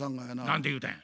何て言うたんや？